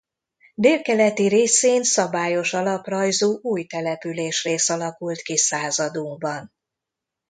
Délkeleti részén szabályos alaprajzú új településrész alakult ki századunkban.